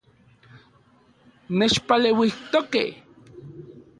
Nechpaleuijtokej